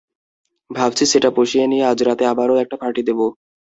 ভাবছি, সেটা পুষিয়ে নিতে আজ রাতে আবারও একটা পার্টি দেব।